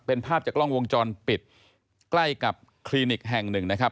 เป็นภาพจากกล้องวงจรปิดใกล้กับคลินิกแห่งหนึ่งนะครับ